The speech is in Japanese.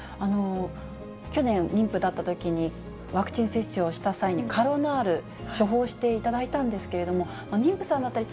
去年、妊婦だったときに、ワクチン接種をした際に、カロナール、処方していただいたんですけれども、妊婦さんだったり、